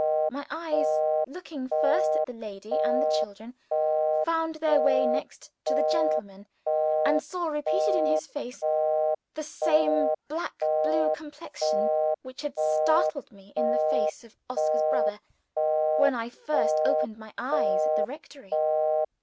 My eyes, looking first at the lady and the children, found their way next to the gentleman and saw repeated in his face, the same black blue complexion which had startled me in the face of Oscar's brother, when I first opened my eyes at the rectory!